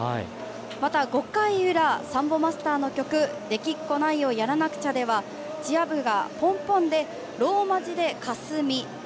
また５回裏、サンボマスターの曲「できっこないをやらなくちゃ」ではチア部がぽんぽんでローマ字で「ＫＡＳＵＭＩ」。